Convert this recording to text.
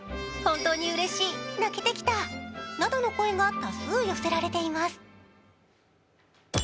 本当にうれしい、泣けてきたなどの声が多数寄せられています。